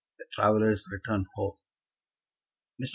The Travellers Return Home. Mr.